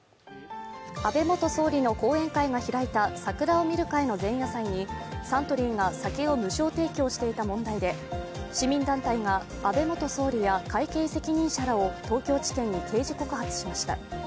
安倍元総理の後援会が開いた桜を見る会の前夜祭にサントリーが酒を無償提供した問題で市民団体が安倍元総理や会計責任者らを東京地検に刑事告発しました。